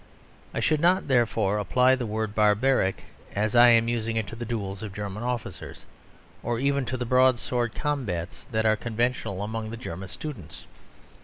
I should not, therefore, apply the word barbaric, as I am using it, to the duels of German officers, or even to the broadsword combats that are conventional among the German students.